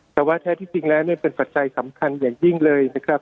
แต่ว่าแท้ที่จริงแล้วเนี่ยเป็นปัจจัยสำคัญอย่างยิ่งเลยนะครับ